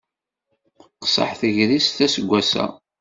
Teqṣeḥ tegrist assegas-a.